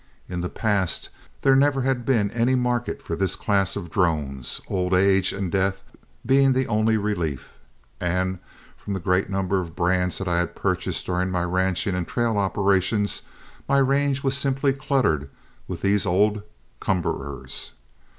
In the past there never had been any market for this class of drones, old age and death being the only relief, and from the great number of brands that I had purchased during my ranching and trail operations, my range was simply cluttered with these old cumberers.